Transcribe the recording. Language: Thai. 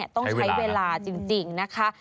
ต้องใช้เวลาจริงนะคะ